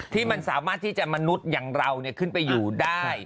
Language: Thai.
ที่มันสามารถที่จะมนุษย์อย่างเราขึ้นไปอยู่ได้